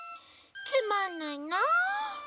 つまんないな。